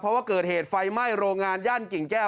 เพราะว่าเกิดเหตุไฟไหม้โรงงานย่านกิ่งแก้ว